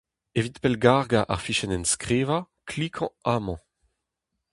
Evit pellgargañ ar fichenn-enskrivañ, klikañ amañ.